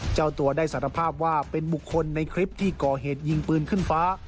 เจ้าตัวได้สารภาพว่าเป็นบุคคลในคลิปที่ก่อเหตุยิงปืนขึ้นฟ้า